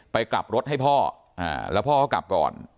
กลับรถให้พ่อแล้วพ่อเขากลับก่อน